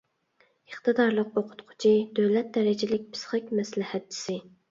ئىقتىدارلىق ئوقۇتقۇچى، دۆلەت دەرىجىلىك پىسخىك مەسلىھەتچىسى